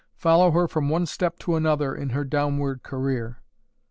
Follow her from one step to another in her downward career.